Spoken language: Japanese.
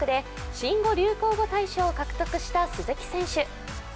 新語・流行語大賞を獲得した鈴木選手。